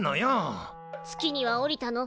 月には降りたの？